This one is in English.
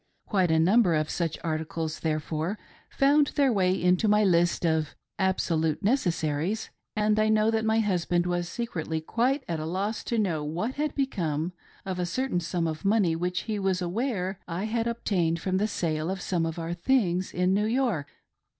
Quite a number of such articles, therefore, found their way into my list of "absolute necessaries," and I know that my husband was secretly quite at a loss to know what had become of a certain sum of money which he was aware I had ob tained from the sale of some of our things in New York.